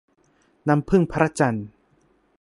น้ำผึ้งพระจันทร์